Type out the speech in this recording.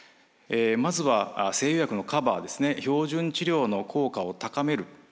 まずは西洋薬のカバー標準治療の効果を高める。